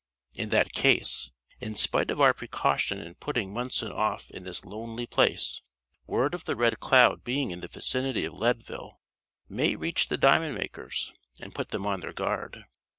In that case, in spite of our precaution in putting Munson off in this lonely place, word of the Red Cloud being in the vicinity of Leadville may reach the diamond makers, and put them on their guard.